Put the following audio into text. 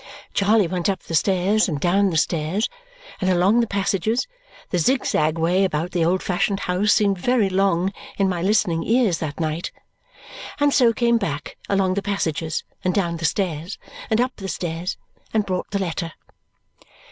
'" Charley went up the stairs, and down the stairs, and along the passages the zig zag way about the old fashioned house seemed very long in my listening ears that night and so came back, along the passages, and down the stairs, and up the stairs, and brought the letter.